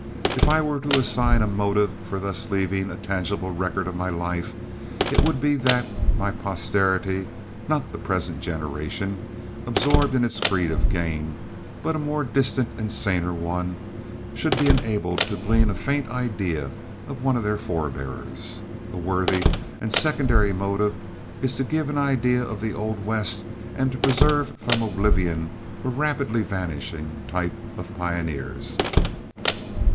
If I were to assign a motive for thus leaving a tangible record of my life, it would be that my posterity not the present generation, absorbed in its greed of gain, but a more distant and a saner one should be enabled to glean a faint idea of one of their forbears. A worthy and secondary motive is to give an idea of the old West and to preserve from oblivion a rapidly vanishing type of pioneers.